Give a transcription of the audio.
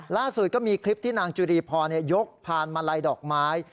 ล่าสุดก็มีคลิปที่นางจุรีพรยกผ่านมาลัยดอกไม้